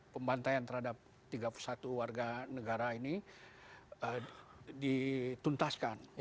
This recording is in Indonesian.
pembantaian terhadap tiga puluh satu warga negara ini dituntaskan